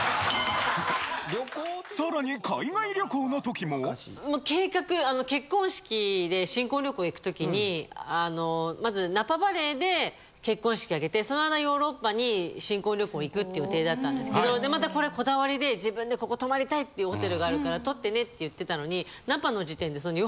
さらにもう計画あの結婚式で新婚旅行行くときにあのまず。で結婚式あげてそのままヨーロッパに新婚旅行行くっていう予定だったんですけどまたこれこだわりで自分でここ泊まりたいっていうホテルがあるから取ってねって言ってたのに。